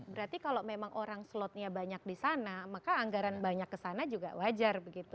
berarti kalau memang orang slotnya banyak di sana maka anggaran banyak ke sana juga wajar begitu